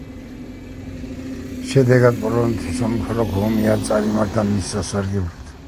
შედეგად პოლონეთის სამოქალაქო ომი არ წარიმართა მის სასარგებლოდ.